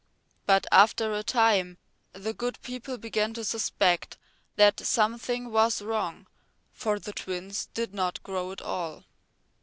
But after a time the good people began to suspect that something was wrong, for the twins didn't grow at all.